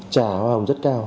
trả hoa hồng rất cao